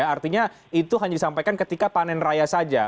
artinya itu hanya disampaikan ketika panen raya saja